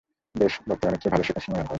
বেশ, বর্তমানের চেয়ে ভালো শেখার সময় আর হয় না।